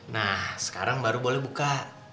nah sekarang baru boleh buka